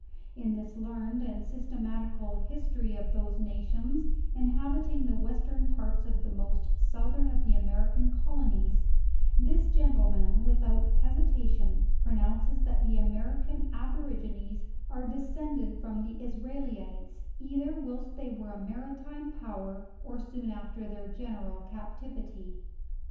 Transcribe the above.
In this learned and systematical history of those nations, inhabiting the western parts of the most southern of the American colonies; this gentleman, without hesitation, pronounces that the American Aborigines are descended from the Israelites, either whilst they were a maritime power, or soon after their general captivity.